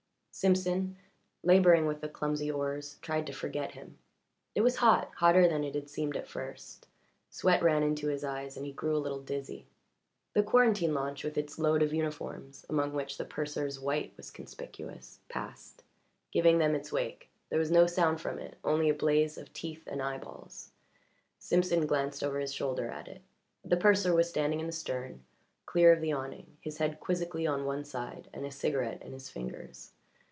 Simpson, labouring with the clumsy oars, tried to forget him. It was hot hotter than it had seemed at first; sweat ran into his eyes and he grew a little dizzy. The quarantine launch with its load of uniforms, among which the purser's white was conspicuous, passed, giving them its wake; there was no sound from it, only a blaze of teeth and eyeballs. Simpson glanced over his shoulder at it. The purser was standing in the stern, clear of the awning, his head quizzically on one side and a cigarette in his fingers.